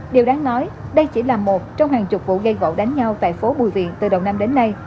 điều đáng nói đây chỉ là một trong hàng chục vụ gây gỗ đánh nhau tại phố bùi viện từ đầu năm đến nay